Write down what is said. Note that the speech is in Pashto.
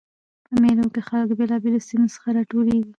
په مېلو کښي خلک له بېلابېلو سیمو څخه راټولیږي.